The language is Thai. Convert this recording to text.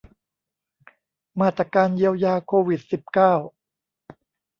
มาตรการเยียวยาโควิด สิบเก้า